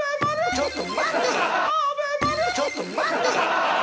・ちょっと待てぃ！！